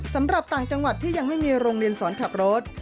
สำหรับต่างจังหวัดที่ยังไม่มีโรงเรียนสอนขับรถ